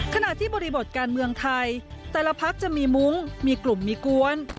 ขณะที่บริบทการเมืองไทยแต่ละพักจะมีมุ้งมีกลุ่มมีกว้น